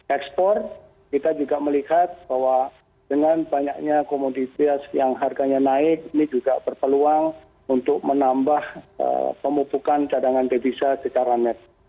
ekspor kita juga melihat bahwa dengan banyaknya komoditas yang harganya naik ini juga berpeluang untuk menambah pemupukan cadangan devisa secara net